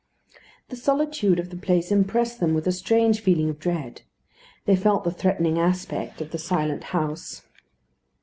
The solitude of the place impressed them with a strange feeling of dread. They felt the threatening aspect of the silent house.